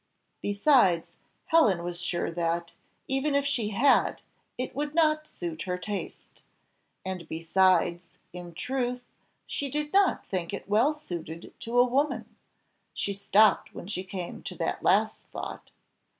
Besides, Helen was sure that, even if she had, it would not suit her taste; and besides, in truth, she did not think it well suited to a woman she stopped when she came to that last thought.